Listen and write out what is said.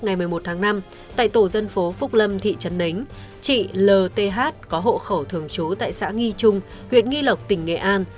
ngày một mươi một tháng năm tại tổ dân phố phúc lâm thị trấn nính chị lth có hộ khẩu thường trú tại xã nghi trung huyện nghi lộc tỉnh nghệ an